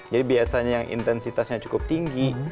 jadi biasanya yang intensitasnya cukup tinggi